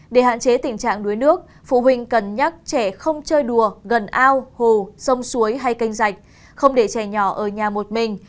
để hạn chế tình trạng đuối nước phụ huynh cần nhắc trẻ không chơi đùa gần ao hồ sông suối hay kênh dạch không để trẻ nhỏ ở nhà một mình